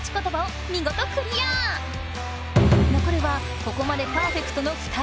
のこるはここまでパーフェクトの２人。